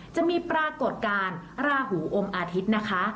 จะมีปรากฏการณ์ราหูอมอาทิตย์นะคะ